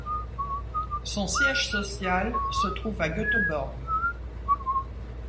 Son siège social se trouve à Göteborg.